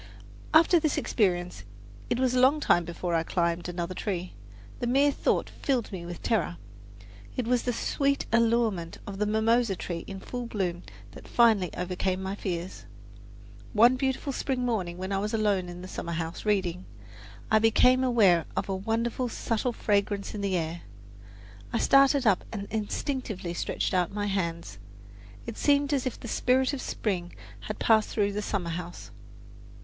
After this experience it was a long time before I climbed another tree. The mere thought filled me with terror. It was the sweet allurement of the mimosa tree in full bloom that finally overcame my fears. One beautiful spring morning when I was alone in the summer house, reading, I became aware of a wonderful subtle fragrance in the air. I started up and instinctively stretched out my hands. It seemed as if the spirit of spring had passed through the summer house.